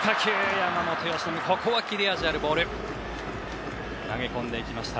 山本由伸、切れ味あるボールを投げ込んでいきました。